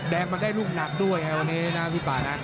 แดงมันได้ลูกหนักด้วยไงวันนี้นะพี่ป่านะ